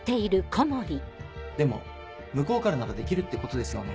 でも向こうからならできるってことですよね。